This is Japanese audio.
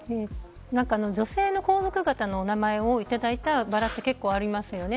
女性の皇族方のお名前をいただいたバラは結構ありますよね。